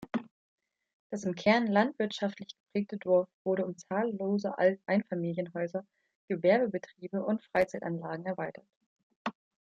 Das im Kern landwirtschaftlich geprägte Dorf wurde um zahllose Einfamilienhäuser, Gewerbebetriebe und Freizeitanlagen erweitert.